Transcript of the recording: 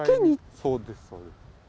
そうです。